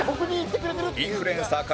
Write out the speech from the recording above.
インフルエンサーから